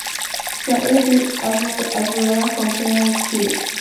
The woody "Azorella compacta" Phil.